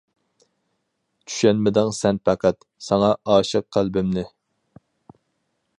چۈشەنمىدىڭ سەن پەقەت، ساڭا ئاشىق قەلبىمنى.